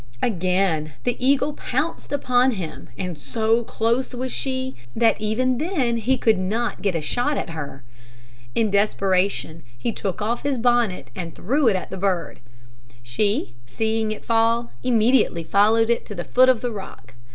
Again the eagle pounced upon him; and so close was she, that even then he could not get a shot at her. In desperation, he took off his bonnet and threw it at the bird. She, seeing it fall, immediately followed it to the foot of the rock.